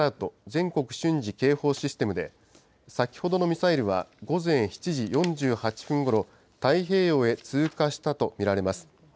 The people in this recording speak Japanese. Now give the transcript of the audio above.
・全国瞬時警報システムで、先ほどのミサイルは午前７時４８分ごろ、太平洋へ通過したと見られます。